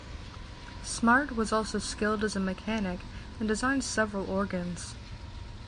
Smart was also skilled as a mechanic, and designed several organs.